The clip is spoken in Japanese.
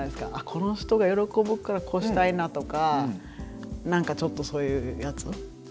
この人が喜ぶからこうしたいなとか何かちょっとそういうやつ。